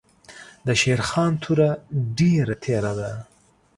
دشېرخان توره ډېره تېره ده.